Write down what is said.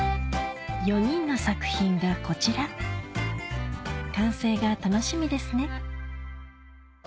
４人の作品がこちら完成が楽しみですね